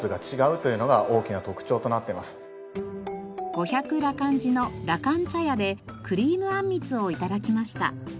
五百羅漢寺のらかん茶屋でクリームあんみつを頂きました。